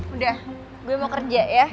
udah gue mau kerja ya